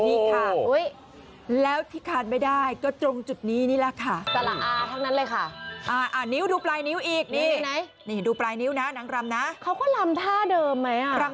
ผมพูดอยู่แล้วใช่ไหมเพราะว่าฟันเสื้อตรงนี้มันสีเหลืองแล้วใช่ไหม